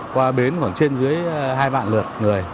qua bến khoảng trên dưới hai vạn lượt người